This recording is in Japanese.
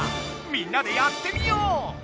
みんなでやってみよう！